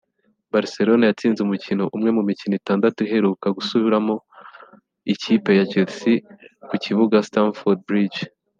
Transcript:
Barcelone yatsinze umukino umwe mu mikino itandatu iheruka gusuramo ikipe ya Chelsea ku kibuga Stamford Bridge